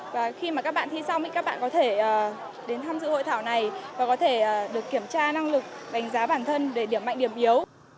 và khi mà các bạn thi xong thì các bạn có thể đến tham dự hội thảo này và có thể được kiểm tra năng lực đánh giá bản thân để điểm mạnh điểm yếu